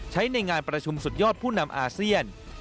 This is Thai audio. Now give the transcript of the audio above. ใช้ในงานประชุมสุดยอดผู้นำอาเซียน